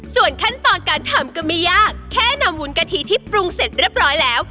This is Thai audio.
ส่วนขั้นตอนการทำก็ไม่ยากแค่นำวุ้นกะทิที่ปรุงเสร็จเรียบร้อยแล้ว